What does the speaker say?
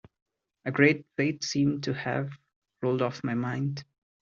A great weight seemed to have rolled off my mind.